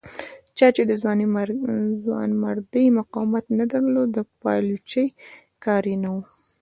چا چې د ځوانمردۍ مقاومت نه درلود د پایلوچۍ کار یې نه و.